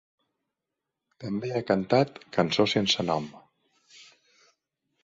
També ha cantat ‘Cançó sense nom’.